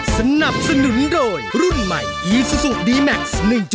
สวัสดีครั้ง